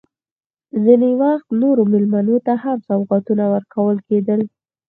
ځینې وخت نورو مېلمنو ته هم سوغاتونه ورکول کېدل.